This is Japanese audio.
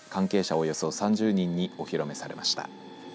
およそ３０人にお披露目されました。